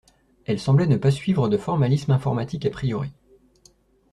Elle semblait ne pas suivre de formalisme informatique a priori.